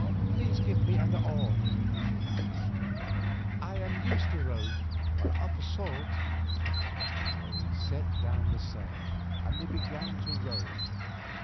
"Please give me an oar," she said. "I am used to rowing—of a sort." So he let down the sail, and they began to row.